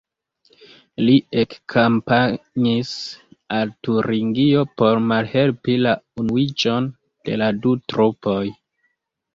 Li ekkampanjis al Turingio por malhelpi la unuiĝon de la du trupoj.